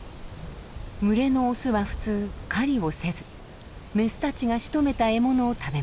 群れのオスは普通狩りをせずメスたちがしとめた獲物を食べます。